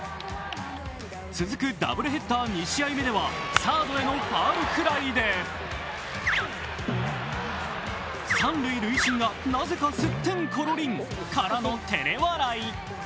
続くダブルヘッダー２試合目はサードへのファウルフライで三塁塁審がなぜか、すってんころりん。からのてれ笑い。